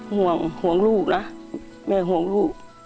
ห่วงห่วงลูกนะแม่ห่วงลูก